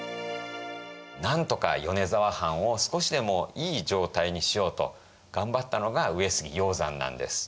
なんとか米沢藩を少しでもいい状態にしようと頑張ったのが上杉鷹山なんです。